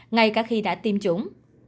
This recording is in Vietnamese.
ngay cả khi đã tiêm chủng